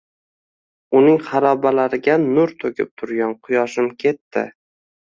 Uning harobalariga nur to’kib turgan quyoshim ketdi.